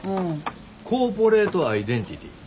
コーポレートアイデンティティー。